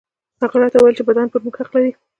هغه راته وويل چې بدن پر موږ حق لري.